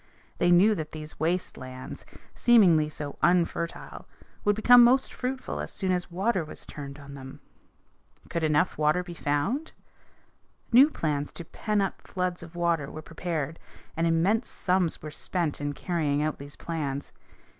They knew that these waste lands, seemingly so unfertile, would become most fruitful as soon as water was turned on them. Could water enough be found? New plans to pen up floods of water were prepared, and immense sums were spent in carrying out these plans.